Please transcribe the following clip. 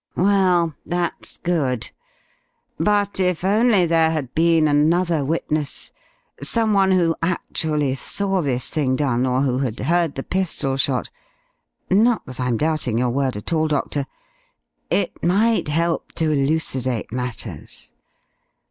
"Well, that's good. But if only there had been another witness, someone who actually saw this thing done, or who had heard the pistol shot not that I'm doubting your word at all, Doctor it might help to elucidate matters.